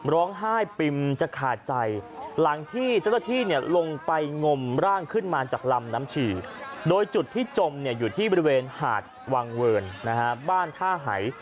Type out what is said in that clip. ร้องไห้ปิมจะขาดใจหลังที่เจ้าหน้าที่ลงไปงมร่างขึ้นมาจากลำน้ำฉี่โดยจุดที่จมเนี่ยอยู่ที่บริเวณหาดวังเวิร์นบ้านท่าหาย